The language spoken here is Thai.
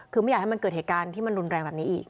คือไม่อยากให้มันเกิดเหตุการณ์ที่มันรุนแรงแบบนี้อีก